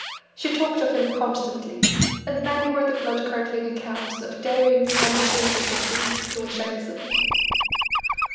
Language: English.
She talked of him constantly, and many were the blood curdling accounts of daring and of patriotism to which I listened.